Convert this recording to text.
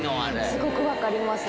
すごくわかります。